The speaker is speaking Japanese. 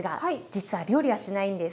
実は料理はしないんです。